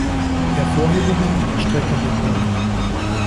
Hervorhebungen: Streckenrekorde